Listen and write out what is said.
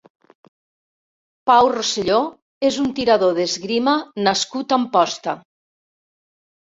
Pau Roselló és un tirador d'esgrima nascut a Amposta.